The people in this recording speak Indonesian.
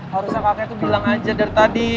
harusnya kakek itu bilang aja dari tadi